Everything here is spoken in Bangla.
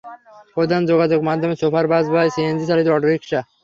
প্রধান যোগাযোগ মাধ্যম সুপার বাস বা সিএনজি চালিত অটোরিক্সা।